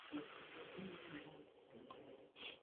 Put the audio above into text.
王寻被王莽封为丕进侯。